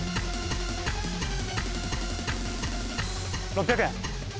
６００円。